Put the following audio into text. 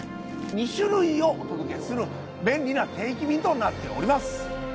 ２種類をお届けする便利な定期便となっております。